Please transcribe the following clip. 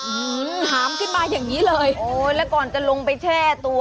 หือหามขึ้นมาอย่างนี้เลยโอ้ยแล้วก่อนจะลงไปแช่ตัว